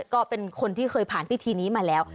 ก็เป็นคนที่เคยผ่านพิธีนี้มาแล้ว